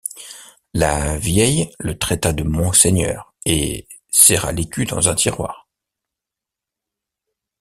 La vieille le traita de monseigneur, et serra l’écu dans un tiroir.